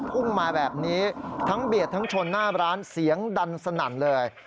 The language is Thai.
พุ่งมาแบบนี้ทั้งเบียดทั้งชนหน้าร้านเสียงดังสนั่นเลย